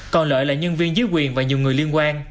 còn lợi là nhân viên dưới quyền và nhiều người liên quan